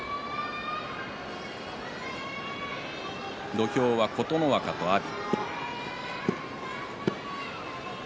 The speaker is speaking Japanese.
土俵は琴ノ若と阿炎。